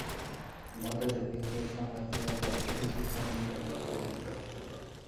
মধ্যযুগের হিন্দু সমাজে সবচেয়ে বেশি সঙ্গীতে প্রচলন ছিল।